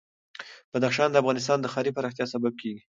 بدخشان د افغانستان د ښاري پراختیا سبب کېږي.